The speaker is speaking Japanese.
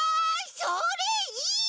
それいい！